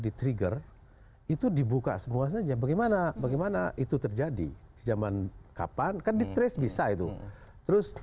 ditrigger itu dibuka semua saja bagaimana bagaimana itu terjadi zaman kapan keditres bisa itu terus